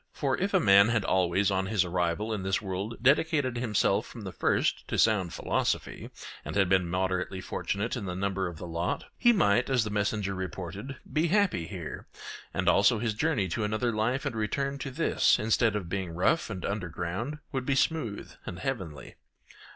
For if a man had always on his arrival in this world dedicated himself from the first to sound philosophy, and had been moderately fortunate in the number of the lot, he might, as the messenger reported, be happy here, and also his journey to another life and return to this, instead of being rough and underground, would be smooth and heavenly.